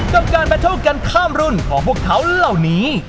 กับการมาเท่ากันข้ามรุ่นของพวกเขาเหล่านี้